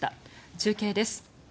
中継です。